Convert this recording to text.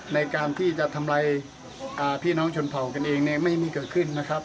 ในการที่จะทำไรพี่น้องชนเผากันเองไม่มีเกิดขึ้น